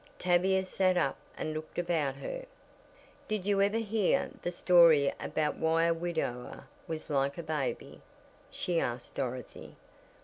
Tavia sat up and looked about her. "Did you ever hear that story about why a widower was like a baby?" she asked Dorothy.